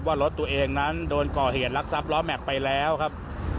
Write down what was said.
ว่ารถตัวเองนั้นโดนก่อเหตุลักษัพล้อแม็กซ์ไปแล้วครับ